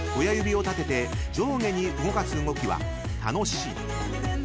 ［親指を立てて上下に動かす動きは］